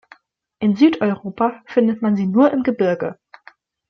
In Südeuropa findet man sie nur im Gebirge.